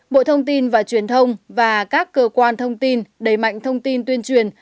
một mươi bộ thông tin và truyền thông và các cơ quan thông tin đẩy mạnh thông tin tuyên truyền